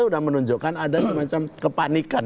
sudah menunjukkan ada semacam kepanikan